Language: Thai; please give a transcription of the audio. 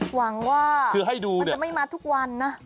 หวังว่ามันจะไม่มาทุกวันนะ